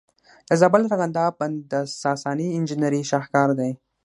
د زابل ارغنداب بند د ساساني انجینرۍ شاهکار دی